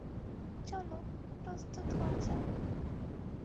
চলো, প্রস্তুত হওয়া যাক।